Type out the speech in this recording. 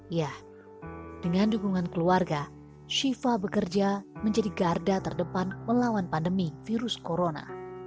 ya dengan dukungan keluarga shiva bekerja menjadi garda terdepan melawan pandemi virus corona